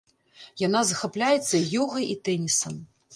Яна захапляецца ёгай і тэнісам.